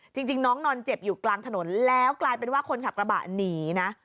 จริงน้องนอนเจ็บอยู่กลางถนนแล้วกลายเป็นว่าคนขับกระบะหนีนะ